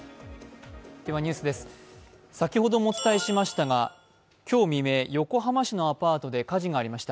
先ほどもお伝えしましたが今日未明、横浜市のアパートで火事がありました。